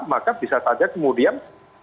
maka bisa saja kemudian